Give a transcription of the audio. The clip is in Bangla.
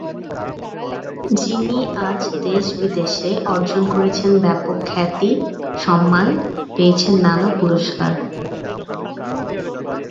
যিনি আজ দেশে বিদেশে অর্জন করেছেন ব্যাপক খ্যাতি, সম্মান, পেয়েছেন নানা পুরস্কার।